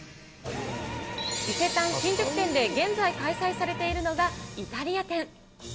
伊勢丹新宿店で現在、開催されているのがイタリア展。